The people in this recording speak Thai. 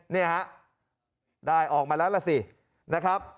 นี่ฮะได้ออกมาแล้วล่ะสินะครับ